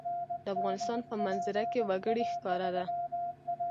د افغانستان په منظره کې وګړي ښکاره ده.